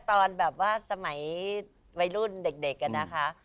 ตอนแบบว่าสมัยวัยรุ่นเด็กอะนะคะ